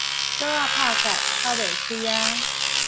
索仔拍結，敨袂開矣